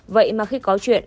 vậy mà khi có chuyện